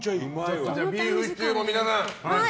ではビーフシチューも、皆さん。